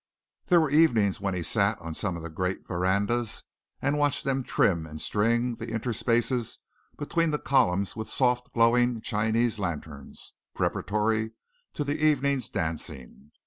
There were evenings when he sat on some one of the great verandas and watched them trim and string the interspaces between the columns with soft, glowing, Chinese lanterns, preparatory to the evening's dancing.